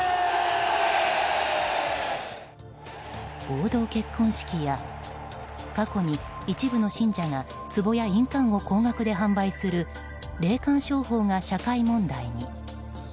合同結婚式や過去に一部の信者がつぼや印鑑を高額で販売する霊感商法が社会問題に。